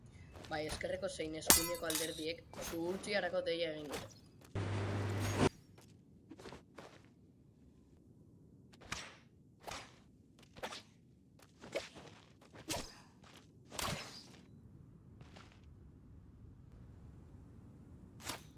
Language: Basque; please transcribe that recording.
Bai ezkerreko zein eskuineko alderdiek zuhurtziarako deia egin dute.